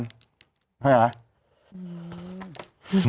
ใช่ไหม